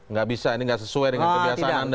nggak bisa ini nggak sesuai dengan kebiasaan anda